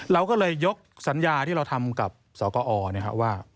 เราก็เลยยกสัญญาที่เราทำกับสกอว่า